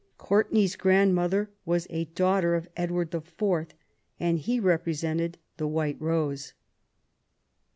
Courtenay's grandmother was a daughter of Edward IV., and he represented the White Rose.